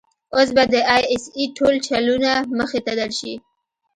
اوس به د آى اس آى ټول چلونه مخې ته درشي.